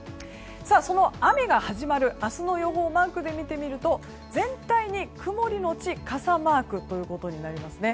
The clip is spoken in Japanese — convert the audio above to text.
その雨が始まる、明日の予報をマークで見てみると全体に曇り後傘マークということになります。